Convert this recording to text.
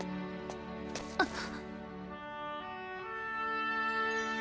あっ。